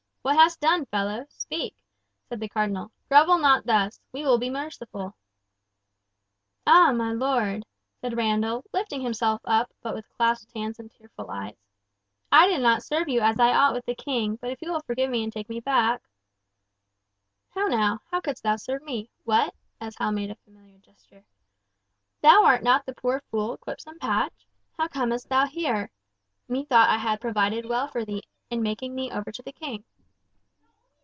"What hast done, fellow? Speak!" said the Cardinal. "Grovel not thus. We will be merciful." "Ah! my lord," said Randall, lifting himself up, but with clasped hands and tearful eyes, "I did not serve you as I ought with the King, but if you will forgive me and take me back—" "How now? How couldst thou serve me? What!"—as Hal made a familiar gesture—"thou art not the poor fool; Quipsome Patch? How comest thou here? Methought I had provided well for thee in making thee over to the King."